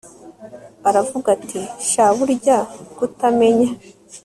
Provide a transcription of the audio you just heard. aravuga ati sha burya kutamenya